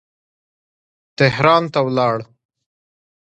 تهران ته ولاړ.